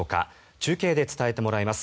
中継で伝えてもらいます。